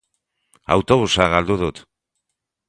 Autobusa galdu dut!